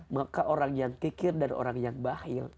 maka orang yang kikir dan orang yang bahil